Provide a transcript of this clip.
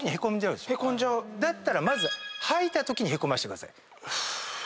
だったらまず吐いたときへこませてください。